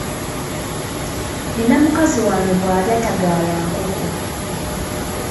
Nina mukazi wange bw'alya tagaaya nkoko.